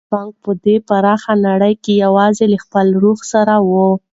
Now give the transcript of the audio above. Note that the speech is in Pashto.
ملا بانګ په دې پراخه نړۍ کې یوازې له خپل روح سره و.